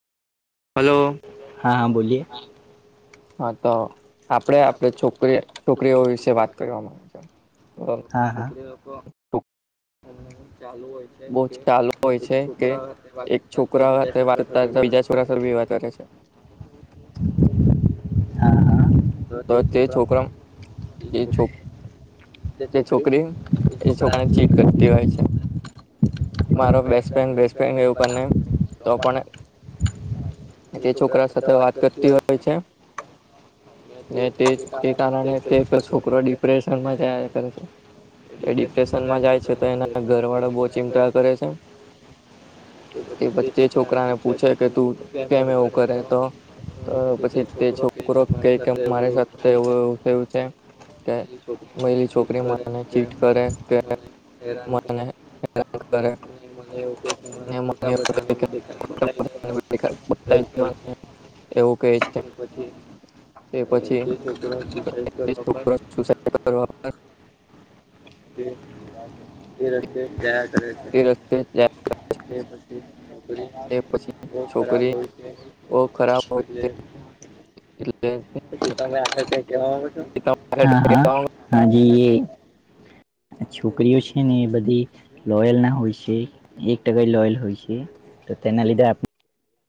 Hello હા બોલીએ. હા તો આપડે આપણે છોકરી છોકરીઓ વિશે વાત કરવા માંગે છે. હા હા ચાલુ હોય બો ચાલુ હોય છે કે એક છોકરા હાટે [unintelligible] છોકરા વાત રાખે છે હા હા. પણ તે છોકરા તે છોકરી છોકરા [unintelligible] તે હોય છે. [unintelligible] મારો બેસ્ટ ફ્રેન્ડ, બેસ્ટ ફ્રેન્ડ એવું પણ નહીં, તો પણ જે છોકરા સાથે વાત કરતી હોય છે ને તે તે કારણે તે છોકરો ડિપ્રેશનમા જાયા કરે છે. જે ડિપ્રેશનમાં જાય છે. તો એના ઘર વાળા બો ચિતાા કરે છે. તો [unintelligible] પછી તે છોકરો કે, મારી સાથે થયું છે. કે પેલી છોકરી મને ચીટ કરે કે એ રન કરે. કરે. મને ઓકે, ફોટા બધાને લીધે, ફોટ એવું કંઈ છે. પછી [unintelligible] કરો. તે રસ્તે જાયા કરે છે. તે પછી છોક બ ખરાબ હોય છે. [unintelligible] બહુ ખરાબ હોય છે. [unintelligible] જ છે, હા હા, હાજી. છોકરીઓ છે ને, એ બધી લોયલ ના હોય છે. એક ટકા લોયલ હોય છે. તો તેના લીધે આપણે